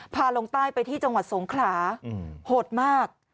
ลงใต้ไปที่จังหวัดสงขลาโหดมาก